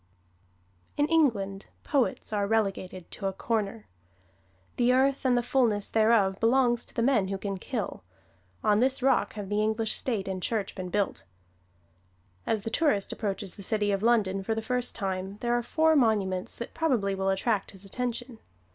In England poets are relegated to a "Corner." The earth and the fulness thereof belongs to the men who can kill; on this rock have the English State and Church been built. As the tourist approaches the city of London for the first time, there are four monuments that probably will attract his attention.